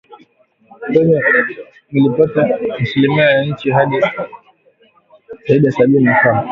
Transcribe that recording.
Kenya ilipata asilimia ya chini zaidi ya sabini na saba .